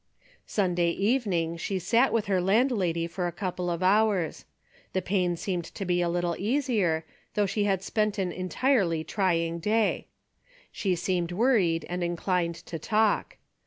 Sunday evening she sat with her landlady for a couple of hours. The pain seemed to be a little easier, though she had spent an in tensely trying day. She seemed worried and inclined to talk.